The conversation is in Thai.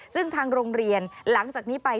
ซึ่งทางโรงเรียนหลังจากนี้ไป